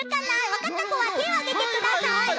わかったこはてをあげてください。